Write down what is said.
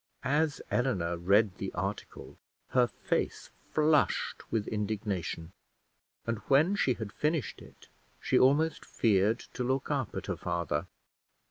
As Eleanor read the article her face flushed with indignation, and when she had finished it, she almost feared to look up at her father.